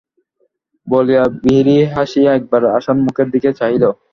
বলিয়া বিহারী হাসিয়া একবার আশার মুখের দিকে চাহিল।